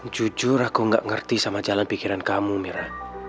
jujur aku gak ngerti sama jalan pikiran kamu mira